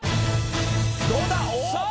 どうだ！？